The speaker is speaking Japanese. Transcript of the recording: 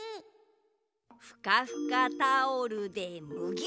ふかふかタオルでむぎゅ。